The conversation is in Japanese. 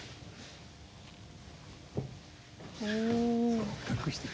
そう隠していく。